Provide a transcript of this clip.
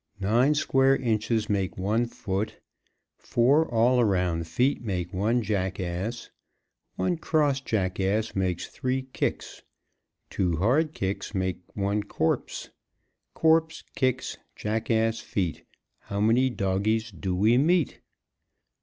Nine square inches make one foot, Four all around feet make one jackass, One cross jackass makes three kicks, Two hard kicks make one corpse; Corpse, kicks, jackass, feet How many doggies do we meet?